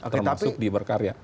termasuk di berkarya